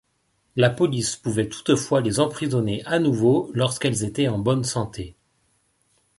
La police pouvait toutefois les emprisonner à nouveau lorsqu'elles étaient en bonne santé.